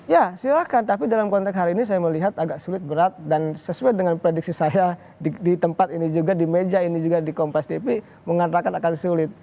ya silahkan tapi dalam konteks hari ini saya melihat agak sulit berat dan sesuai dengan prediksi saya di tempat ini juga di meja ini juga di kompas dp mengatakan akan sulit